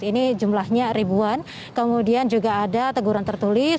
ini jumlahnya ribuan kemudian juga ada teguran tertulis